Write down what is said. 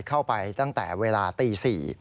เข้าไปตั้งแต่เวลาตี๔